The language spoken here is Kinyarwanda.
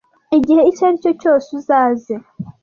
igihe icyo aricyo cyose uzaze